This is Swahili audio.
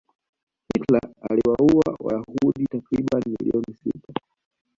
hitler aliwaua wayahudi takribani milioni sita